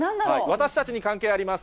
私たちに関係あります。